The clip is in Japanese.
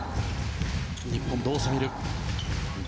日本、どう攻めるか。